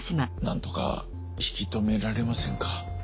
なんとか引きとめられませんか？